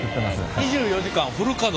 ２４時間フル稼働。